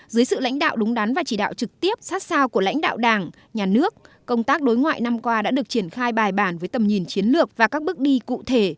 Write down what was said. dưới sự lãnh đạo đúng đắn và chỉ đạo trực tiếp sát sao của lãnh đạo đảng nhà nước công tác đối ngoại năm qua đã được triển khai bài bản với tầm nhìn chiến lược và các bước đi cụ thể